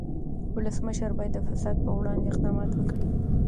ولسمشر باید د فساد پر وړاندې اقدامات وکړي.